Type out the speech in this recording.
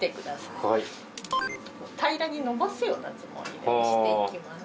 平らにのばすようなつもりで押して行きます。